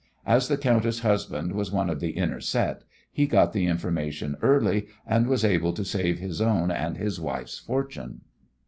As the countess' husband was one of the inner set, he got the information early, and was able to save his own and his wife's fortune.